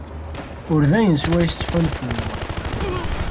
Ur d ayen swayes ttḥulfuɣ.